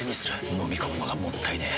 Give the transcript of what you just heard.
のみ込むのがもったいねえ。